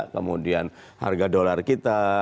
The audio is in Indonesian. kemudian harga dolar kita